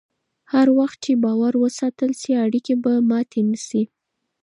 هر وخت چې باور وساتل شي، اړیکې به ماتې نه شي.